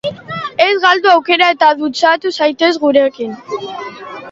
Ez galdu aukera eta dutxatu zaitez gurekin!